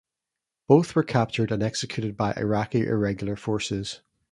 Both were captured and executed by Iraqi irregular forces.